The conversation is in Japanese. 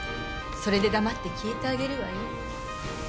それで黙って消えてあげるわよ。